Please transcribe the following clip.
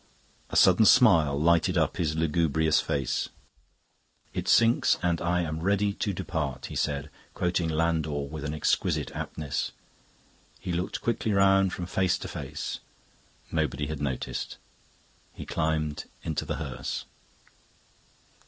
A sudden smile lighted up his lugubrious face. "'It sinks and I am ready to depart,'" he said, quoting Landor with an exquisite aptness. He looked quickly round from face to face. Nobody had noticed. He climbed into the hearse.